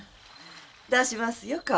出しますよ顔。